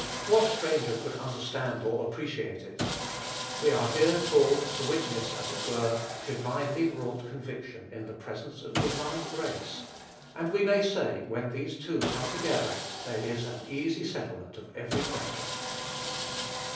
What stranger could understand or appreciate it? We are here called to witness, as it were, divinely wrought conviction in the presence of divine grace; and we may say, when these two come together there is an easy settlement of every question.